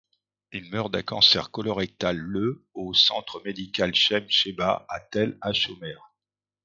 Il meurt d'un cancer colorectal le au Centre médical Chaim Sheba à Tel HaShomer.